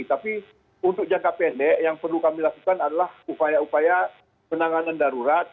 tapi untuk jangka pendek yang perlu kami lakukan adalah upaya upaya penanganan darurat